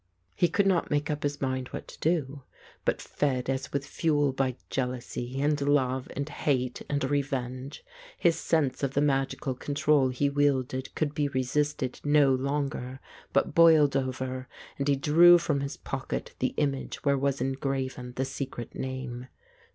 He could not make up his mind what to do; but fed as with fuel by jealousy, and love, and hate, and revenge, his sense of the magical control he wielded could be resisted no longer, but boiled over, and he drew from his pocket the image where was engraven the secret name.